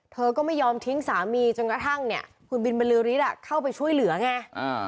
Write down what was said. เธอก็ไม่ยอมทิ้งสามีจนกระทั่งคุณบินบริษฐ์เข้าไปช่วยเหลือไง